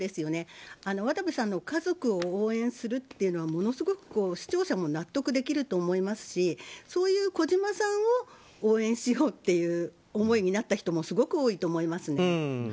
渡部さんの家族を応援するというのはものすごく視聴者も納得できると思いますしそういう児嶋さんを応援しようという思いになった人もすごく多いと思います。